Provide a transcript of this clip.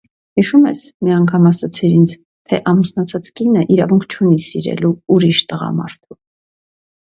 Հիշո՞ւմ ես, մի անգամ ասացիր ինձ, թե ամուսնացած կինը իրավունք չունի սիրելու ուրիշ տղամարդու: